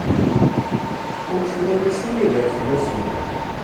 Ameslay-is anagar fell-asen.